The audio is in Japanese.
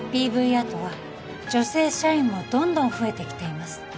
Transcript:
アートは女性社員もどんどん増えてきています